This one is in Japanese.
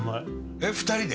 えっ２人で？